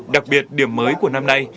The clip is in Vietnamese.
đặc biệt điểm mới của năm nay